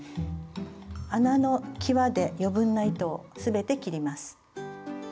穴のきわで余分な糸をすべて切ります。